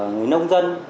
người nông dân